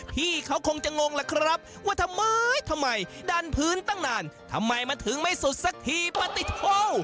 พี่เขาคงจะงงล่ะครับว่าทำไมทำไมดันพื้นตั้งนานทำไมมันถึงไม่สุดสักทีปฏิโทษ